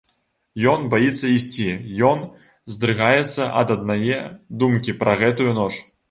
Ён баіцца ісці, ён здрыгаецца ад аднае думкі пра гэтую ноч.